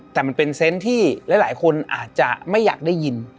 แต่มันเป็นเซนต์ที่หลายคนอาจจะไม่อยากได้ยิน